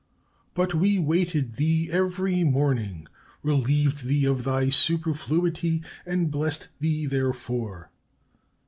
"'But we awaited thee every morning, relieved thee of thy superfluity, and blessed thee therefor.